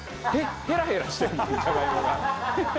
ヘラヘラしてるもんじゃがいもが。